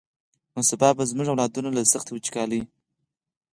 نو سبا به زمونږ اولادونه له سختې وچکالۍ.